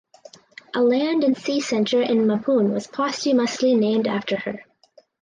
A Land and Sea Centre in Mapoon was posthumously named after her.